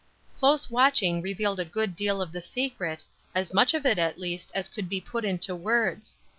Close watching revealed a good deal of the secret; as much of it at least as could be put into words.